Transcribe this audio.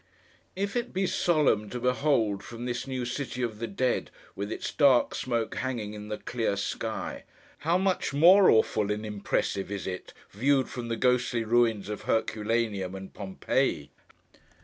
If it be solemn to behold from this new City of the Dead, with its dark smoke hanging in the clear sky, how much more awful and impressive is it, viewed from the ghostly ruins of Herculaneum and Pompeii!